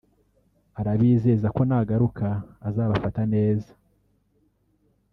arabizeza ko nagaruka azabafata neza